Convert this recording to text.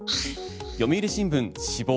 読売新聞、死亡。